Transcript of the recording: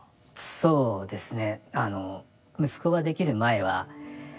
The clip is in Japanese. そうですね